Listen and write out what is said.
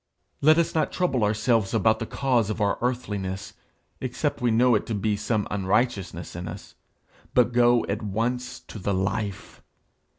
Let us not trouble ourselves about the cause of our earthliness, except we know it to be some unrighteousness in us, but go at once to the Life.